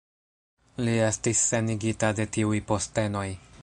Li estis senigita de tiuj postenoj.